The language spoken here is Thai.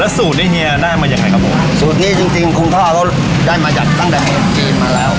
สูตรนี้เฮียได้มายังไงครับผมสูตรนี้จริงจริงคุณพ่อเขาได้มาจากตั้งแต่เมืองจีนมาแล้ว